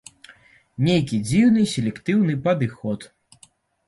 Нейкі дзіўны селектыўны падыход.